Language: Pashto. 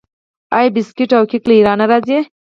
آیا بسکیټ او کیک له ایران نه راځي؟